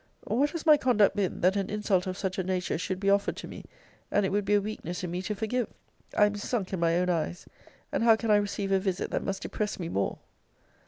] What has my conduct been, that an insult of such a nature should be offered to me, and it would be a weakness in me to forgive? I am sunk in my own eyes! And how can I receive a visit that must depress me more?